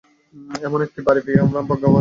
এমন একটি বাড়ি পেয়ে আমরা ভাগ্যবান।